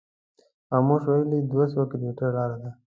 خاموش ویلي دوه سوه کیلومتره لار ده.